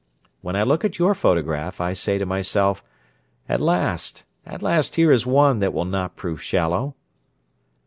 When I look at your photograph, I say to myself, "At last, at last here is one that will not prove shallow."